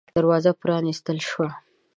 دروازه پًرانيستل شوه.